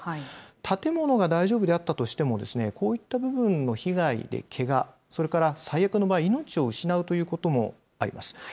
建物が大丈夫であったとしても、こういった部分の被害でけが、それから最悪の場合、命を失うということもあります。